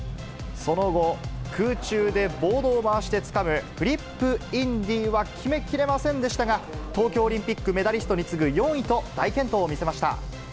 その後、空中でボードを回してつかむフリップインディは決めきれませんでしたが、東京オリンピックメダリストに次ぐ４位と大健闘を見せました。